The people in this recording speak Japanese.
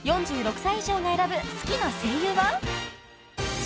［４６歳以上が選ぶ好きな声優は］